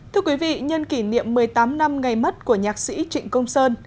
thưa quý vị nhân kỷ niệm một mươi tám năm ngày mất của nhạc sĩ trịnh công sơn